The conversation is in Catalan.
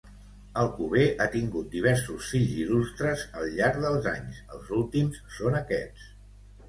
Alcover ha tingut diversos fills il·lustres al llarg dels anys, els últims són aquests.